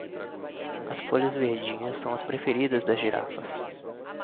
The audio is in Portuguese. As folhas verdinhas são as preferidas das girafas